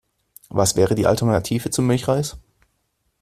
Was wäre die Alternative zu Milchreis?